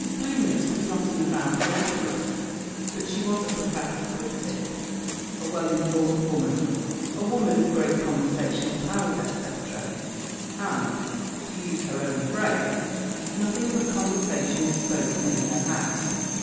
Bluemits was not an avowed authoress; but she was a professed critic, a well informed woman, a woman of great conversational powers, etc., and, to use her own phrase, nothing but conversation was spoken in her house.